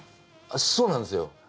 そうなんですよ。